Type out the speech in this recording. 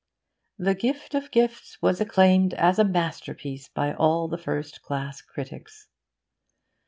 'THE GIFT OF GIFTS was acclaimed as a masterpiece by all the first class critics.